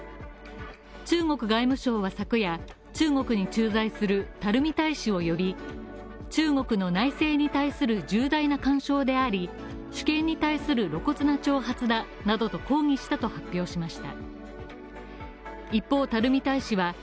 中国外務省は昨夜、中国に駐在する垂大使を呼び中国の内政干渉に対する重大な干渉であり、主権に対する露骨な挑発だなどと抗議したと発表しました。